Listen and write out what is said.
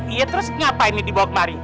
iya terus ngapain nih dibawa kemari